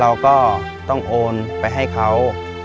เราก็ต้องโอนไปให้เขา